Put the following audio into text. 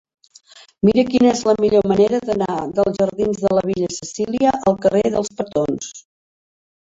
Mira'm quina és la millor manera d'anar dels jardins de la Vil·la Cecília al carrer dels Petons.